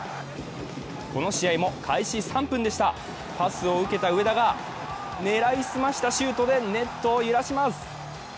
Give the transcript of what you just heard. この試合も開始３分でした、パスを受けた上田が狙いすましたシュートでネットを揺らします。